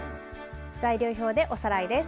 材料表でおさらいです。